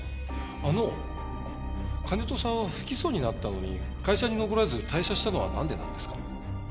あの金戸さんは不起訴になったのに会社に残らず退社したのはなんでなんですか？